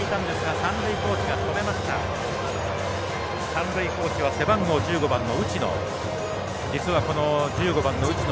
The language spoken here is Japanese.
三塁コーチは背番号１５番の内野。